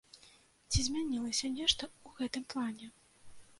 Ці змянілася нешта ў гэтым плане?